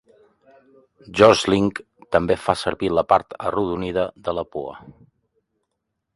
George Lynch també fa servir la part arrodonida de la pua.